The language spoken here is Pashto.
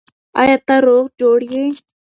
آیا ته روغ جوړ یې؟